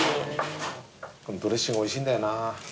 このドレッシングおいしいんだよな。